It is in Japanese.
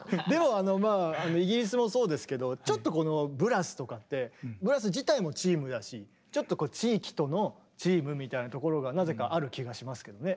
でもまあイギリスもそうですけどちょっとこのブラスとかってブラス自体もチームだしちょっと地域とのチームみたいなところがなぜかある気がしますけどね。